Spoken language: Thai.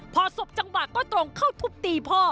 พอศพจังหวะก็ตรงเข้าทุบตีพ่อ